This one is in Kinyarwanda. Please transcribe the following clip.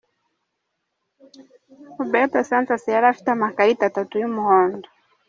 Huberto Sinceres yari afite amakarita atatu y’umuhondo.